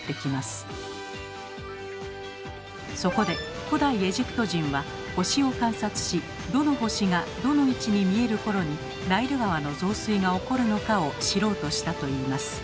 そこで古代エジプト人は星を観察しどの星がどの位置に見える頃にナイル川の増水が起こるのかを知ろうとしたといいます。